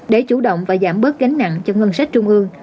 để chủ động và giảm bớt gánh nặng cho ngân sách trung ương